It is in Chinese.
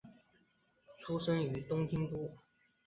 出身于东京都。